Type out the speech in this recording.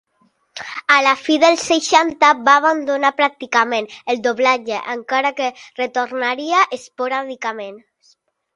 A la fi dels seixanta va abandonar pràcticament el doblatge, encara que retornaria esporàdicament.